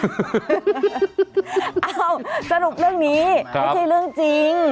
สรุปเรื่องนี้ไม่ใช่เรื่องจริง